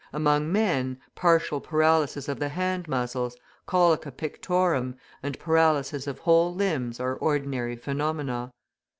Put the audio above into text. Among men, partial paralysis of the hand muscles, colica pictorum, and paralysis of whole limbs are ordinary phenomena.